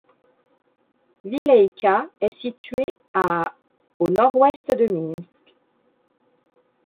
Vileïka est située à au nord-ouest de Minsk.